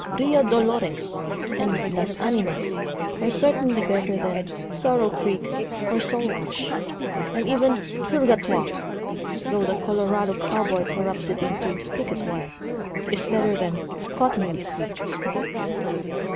"Rio Dolores" and "Las Animas" are certainly better than "Sorrow Creek" or "Soul Wash," and even " Purgatoire "— though the Colorado cow boy corrupts it into " Picket Wire "— is better than " Cottonwood Creek."